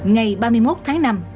ngày ba mươi một tháng năm